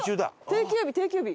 定休日定休日。